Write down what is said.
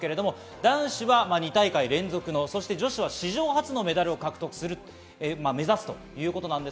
男子は２大会連続の、女子史上初のメダルを獲得する、目指すということです。